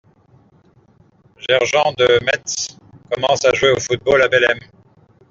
Gertjan De Mets commence à jouer au football à Bellem.